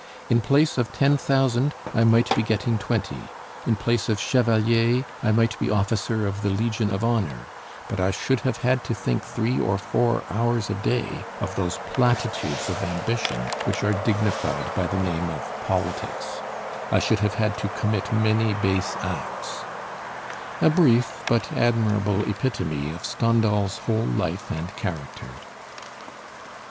"In place of ten thousand, I might be getting twenty; in place of Chevalier, I might be Officer of the Legion of Honor: but I should have had to think three or four hours a day of those platitudes of ambition which are dignified by the name of politics; I should have had to commit many base acts:" a brief but admirable epitome of Stendhal's whole life and character.